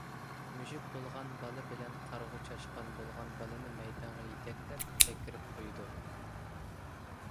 مۈشۈك بولغان بالا بىلەن قارىغۇ چاشقان بولغان بالىنى مەيدانغا يېتىلەپ ئەكىرىپ قويىدۇ.